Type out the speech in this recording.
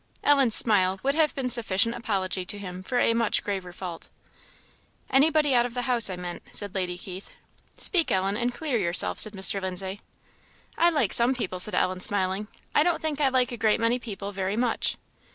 Ellen's smile would have been a sufficient apology to him for a much graver fault. "Anybody out of the house, I meant," said Lady Keith. "Speak, Ellen, and clear yourself," said Mr. Lindsay. "I like some people," said Ellen, smiling; "I don't think I like a great many people very much."